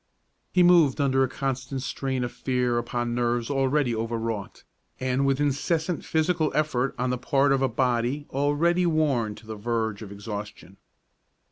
He moved under a constant strain of fear upon nerves already overwrought, and with incessant physical effort on the part of a body already worn to the verge of exhaustion.